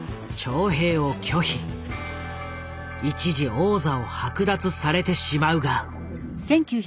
一時王座を剥奪されてしまうが。